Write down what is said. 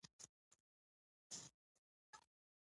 کلیوالو دغه قبر ته شل ګزی بابا ویل.